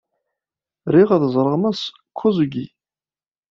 Riɣ ad ẓreɣ Mass Kosugi.